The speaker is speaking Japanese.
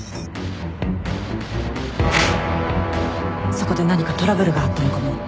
そこで何かトラブルがあったのかも。